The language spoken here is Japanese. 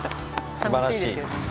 すばらしい。